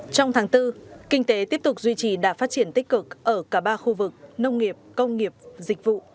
trong tháng bốn kinh tế tiếp tục duy trì đạt phát triển tích cực ở cả ba khu vực nông nghiệp công nghiệp dịch vụ